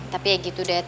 tapi ya gitu deh